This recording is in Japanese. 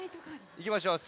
いきましょう。